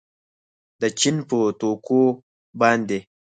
د چین په توکو باندې